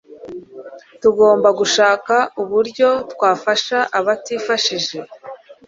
Tugomba gushaka uburyo twafasha abatifashije.